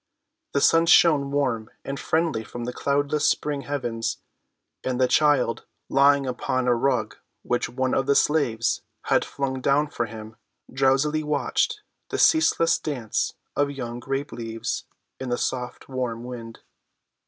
The sun shone warm and friendly from the cloudless spring heavens, and the child, lying upon a rug which one of the slaves had flung down for him, drowsily watched the ceaseless dance of young grape leaves in the soft warm wind.